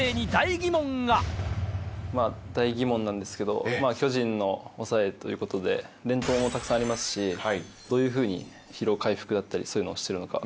ここで巨人の抑えということで連投もたくさんありますしどういうふうに疲労回復だったりそういうのをしてるのか。